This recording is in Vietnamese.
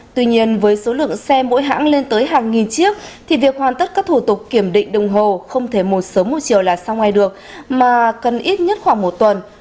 tuy nhiên với số lượng xe mỗi hãng lên tới hàng nghìn chiếc thì việc hoàn tất các thủ tục kiểm định đồng hồ không thể một sớm một chiều là sau ngày được mà cần ít nhất khoảng một tuần